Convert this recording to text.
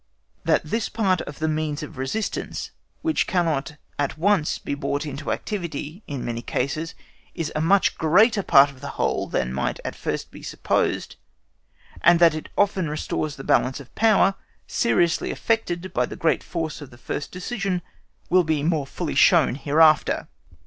That this part of the means of resistance, which cannot at once be brought into activity, in many cases, is a much greater part of the whole than might at first be supposed, and that it often restores the balance of power, seriously affected by the great force of the first decision, will be more fully shown hereafter.